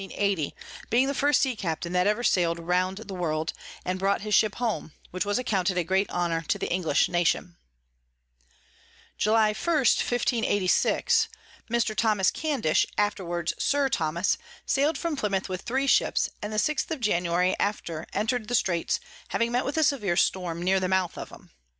being the first Sea Captain that ever sail'd round the World, and brought his Ship home, which was accounted a great Honour to the English Nation. July 1. 1586. Mr. Tho. Candish, afterwards Sir Thomas, sail'd from Plymouth with three Ships, and the 6_th_ of January after enter'd the Straits, having met with a severe Storm near the mouth of 'em.